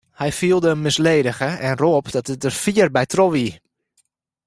Hy fielde him misledige en rôp dat dit der fier by troch wie.